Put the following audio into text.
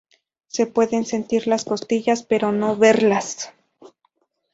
Se pueden sentir las costillas, pero no verlas.